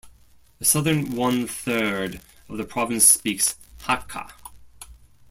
The southern one-third of the province speaks Hakka.